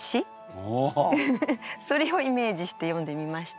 それをイメージして詠んでみました。